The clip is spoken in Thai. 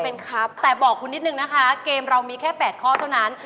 เป็นครับแต่บอกคุณนิดนึงนะคะเกมเรามีแค่๘ข้อเท่านั้น